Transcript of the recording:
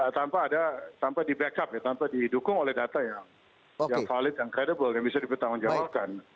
tanpa di backup tanpa didukung oleh data yang valid yang kredibel yang bisa dipertanggungjawabkan